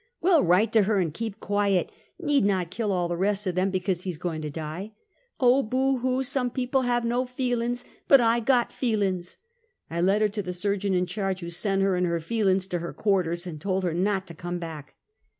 ""Well, write to her and keep quiet! you need not kill all the rest of them because he is going to die." "Oh! boo hoo! some people has no feelin's; but I have got feelin's !" I led her to the surgeon in charge, who sent her and her " feelin's " to her quarters, and told her not to come back.